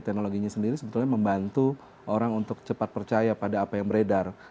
teknologinya sendiri sebetulnya membantu orang untuk cepat percaya pada apa yang beredar